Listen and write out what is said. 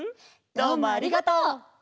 どうもありがとう！